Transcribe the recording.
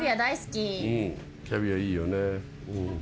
キャビアいいよね。